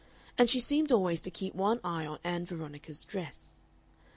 And she seemed always to keep one eye on Ann Veronica's dress.